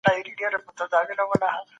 مایټوکونډریا د حجرې دننه کار کوي.